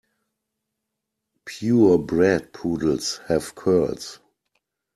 Pure bred poodles have curls.